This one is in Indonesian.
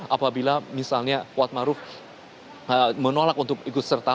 apabila misalnya kuat maruf menolak untuk ikut serta